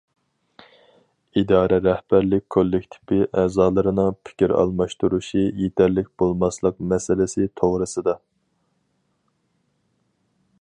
ئىدارە رەھبەرلىك كوللېكتىپى ئەزالىرىنىڭ پىكىر ئالماشتۇرۇشى يېتەرلىك بولماسلىق مەسىلىسى توغرىسىدا.